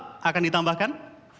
bagaimana kalau kita bisa menambahkan